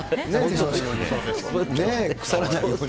腐らないように。